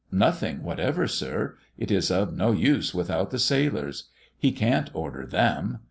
Nothing whatever, sir. It's of no use without the sailors. He can't order them.